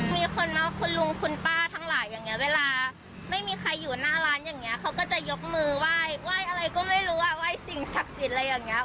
มีคนมาคุณลุงคุณป้าทั้งหลายอย่างเงี้เวลาไม่มีใครอยู่หน้าร้านอย่างนี้เขาก็จะยกมือไหว้ไหว้อะไรก็ไม่รู้ว่าไหว้สิ่งศักดิ์สิทธิ์อะไรอย่างเงี้